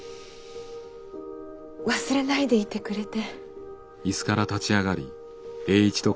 忘れないでいてくれて。